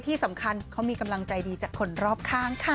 ที่สำคัญเขามีกำลังใจดีจากคนรอบข้างค่ะ